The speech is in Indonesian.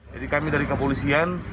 jadi kami dari kepolisian